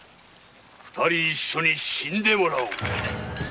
二人一緒に死んでもらおう。